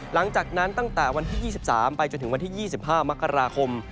หลังจากนั้นตั้งแต่วันที่๒๓ไปจนถึงวันที่๒๕มกราคม